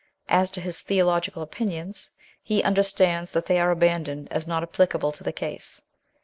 As to his theological opinions, he understands that they are abandoned as not applicable to the case.